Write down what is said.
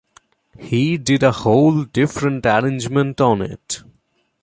He did a whole different arrangement on it.